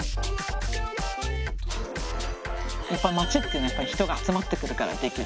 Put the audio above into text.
やっぱり街っていうのは人が集まってくるからできる。